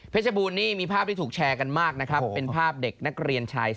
บูรณนี่มีภาพที่ถูกแชร์กันมากนะครับเป็นภาพเด็กนักเรียนชาย